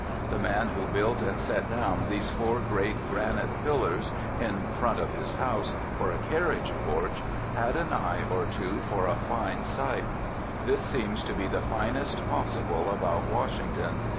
The man who built and set down these four great granite pillars in front of his house, for a carriage porch, had an eye or two for a fine site. This seems to be the finest possible about Washington.